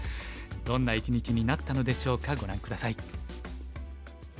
どんな一日になったのでしょうかご覧下さい。